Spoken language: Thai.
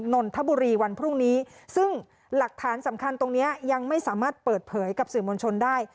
นนทบุรีวันพรุ่งนี้ซึ่งหลักฐานสำคัญตรงเนี้ยยังไม่สามารถเปิดเผยกับสื่อมวลชนได้